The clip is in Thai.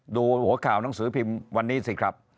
ดูหัวข่าวหนังสือพิมพ์วันนี้สิครับ